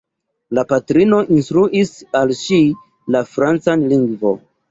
La patrino instruis al ŝi la francan lingvon.